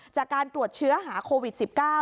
จากการตรวจเชื้อหาโควิด๑๙